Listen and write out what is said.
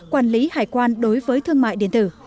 quản lý hải quan đối với thương mại điện tử